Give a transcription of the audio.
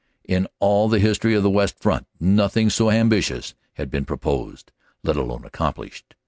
In all the history of the West Front nothing so ambitious had been proposed, let alone accomplished.